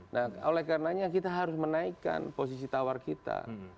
nah oleh karenanya kita harus menaikkan posisi tawar kita